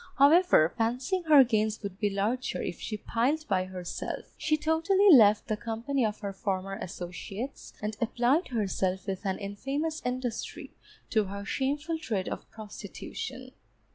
However, fancying her gains would be larger if she plied by herself, she totally left the company of her former associates, and applied herself with an infamous industry to her shameful trade of prostitution.